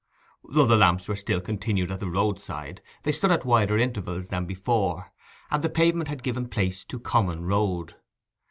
Though the lamps were still continued at the roadside, they stood at wider intervals than before, and the pavement had given place to common road.